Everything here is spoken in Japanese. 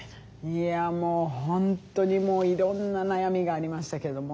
いやもう本当にいろんな悩みがありましたけども。